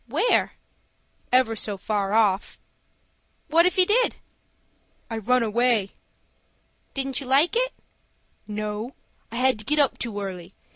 "Where?" "Ever so far off." "What if he did?" "I ran away." "Didn't you like it?" "No, I had to get up too early.